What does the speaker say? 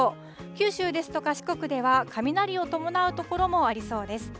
九州ですとか、四国では、雷を伴う所もありそうです。